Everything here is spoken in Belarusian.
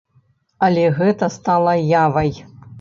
Але гэта стала явай!